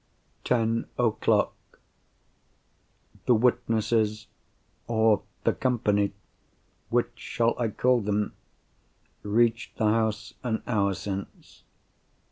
Ten o'clock.—The witnesses, or the company (which shall I call them?) reached the house an hour since.